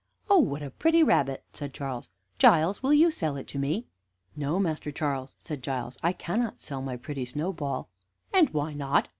"Oh, what a pretty rabbit!" said Charles. "Giles, will you sell it to me?" "No, Master Charles," said Giles, "I cannot sell my pretty Snowball." "And why not?"